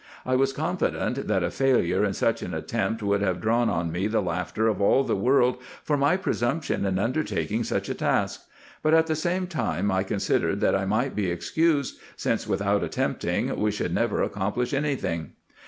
I was confident, that a failure in such an attempt would have drawn on me the laughter of all the world for my pre sumption in undertaking such a task : but at the same time I con sidered, that I might be excused, since without attempting we should never accomplish any thing.